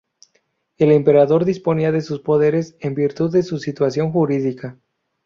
El Emperador disponía de sus poderes en virtud de su situación jurídica.